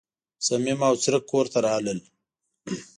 صمیم او څرک کور ته راغلل.